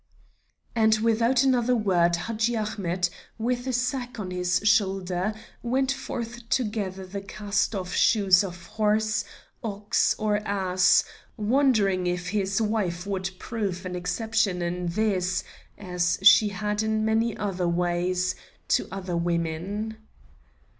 And without another word Hadji Ahmet, with a sack on his shoulder, went forth to gather the cast off shoes of horse, ox, or ass, wondering if his wife would prove an exception in this, as she had in many other ways, to other women.